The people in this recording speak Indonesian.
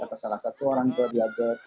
atau salah satu orang tua diabetes